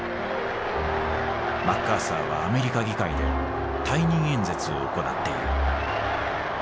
マッカーサーはアメリカ議会で退任演説を行っている。